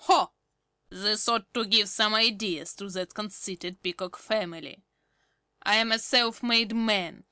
Ho! This ought to give some ideas to that conceited Peacock family! I am a self made man.